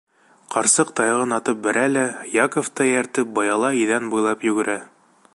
Ҡарсыҡ таяғын атып бәрә лә, Яковты эйәртеп, быяла иҙән буйлап йүгерә.